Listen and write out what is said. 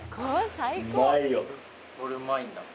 ・これうまいんだ・